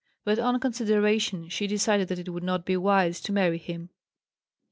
But on consideration she decided that it would not be wise to marry him.